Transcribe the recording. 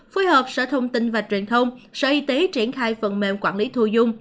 phối hợp sở thông tin và truyền thông sở y tế triển khai phần mềm quản lý thu dung